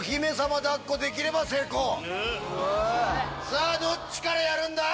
さぁどっちからやるんだ？